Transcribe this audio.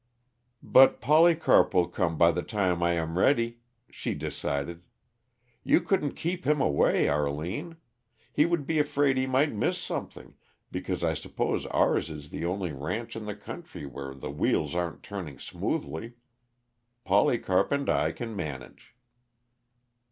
"But Polycarp will come, by the time I am ready," she decided. "You couldn't keep him away, Arline; he would be afraid he might miss something, because I suppose ours is the only ranch in the country where the wheels aren't turning smoothly. Polycarp and I can manage."